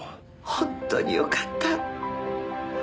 本当によかった。